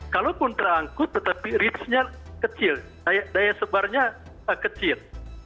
kalaupun terangkut tetapi risknya kecil daya sebarnya kecil